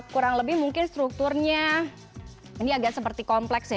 kurang lebih mungkin strukturnya ini agak seperti kompleks ya